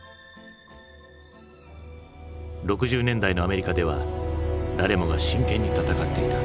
６０年代のアメリカでは誰もが真剣に闘っていた。